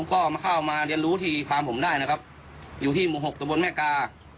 ก็มาเข้ามาเรียนรู้ที่ฟาร์มผมได้นะครับอยู่ที่หมู่หกตะบนแม่กา